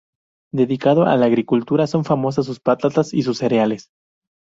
Dedicado a la agricultura son famosas sus patatas y sus cereales.